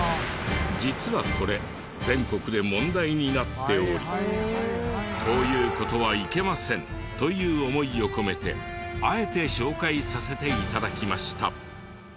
実はこれ全国で問題になっておりこういう事はいけませんという思いを込めてあえて紹介させて頂きました。